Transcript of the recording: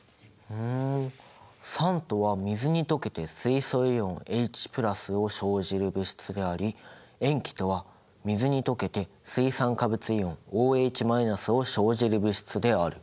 ふん酸とは水に溶けて水素イオンＨを生じる物質であり塩基とは水に溶けて水酸化物イオンＯＨを生じる物質である。